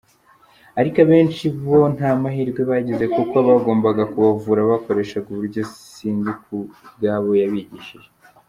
Ariko abenshi muri bo nta mahirwe bagize kuko abagombaga kubavura bakoreshaga uburyo Sindikubwabo yabigishije.